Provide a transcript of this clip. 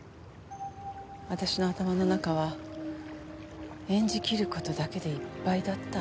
私の頭の中は演じきる事だけでいっぱいだった。